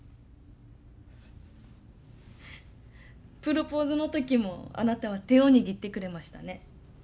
プロポーズの時もあなたは手を握ってくれましたね。